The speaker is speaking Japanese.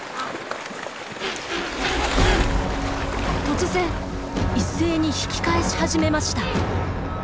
突然一斉に引き返し始めました。